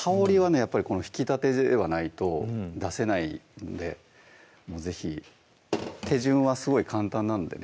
やっぱり引きたてではないと出せないんでもう是非手順はすごい簡単なんでね